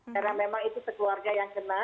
karena memang itu sekeluarga yang kena